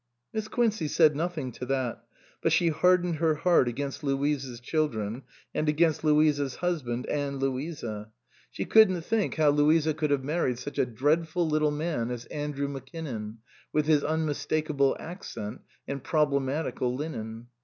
Miss Quincey said nothing to that ; but she hardened her heart against Louisa's children, and against Louisa's husband and Louisa. She couldn't think how Louisa 281 SUPEKSEDED could have married such a dreadful little man as Andrew Mackinnon, with his unmistakable accent and problematical linen.